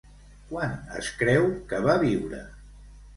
Quan es creu que va viure?